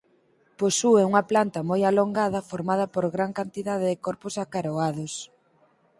Posúe unha planta moi alongada formada por gran cantidade de corpos acaroados.